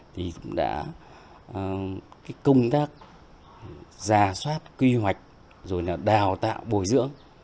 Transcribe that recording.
thì cũng đã công tác giả soát quy hoạch rồi đào tạo bồi dưỡng